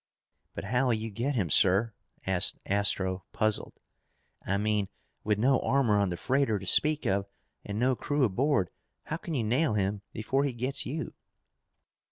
"But how will you get him, sir?" asked Astro, puzzled. "I mean, with no armor on the freighter to speak of, and no crew aboard, how can you nail him before he gets you?"